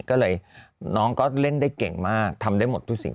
อันนี้พี่ไก่เล่าให้ฟัง